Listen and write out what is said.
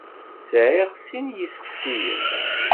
Sɛiɣ sin n yisseqsiyen.